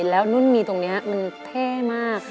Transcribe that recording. แล้วนุ่นมีตรงนี้มันเท่มาก